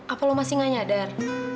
apa lo masih gak nyadar